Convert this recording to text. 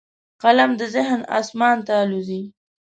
قلم د ذهن اسمان ته الوزي